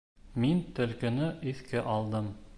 Мин Төлкөнө иҫкә алдым.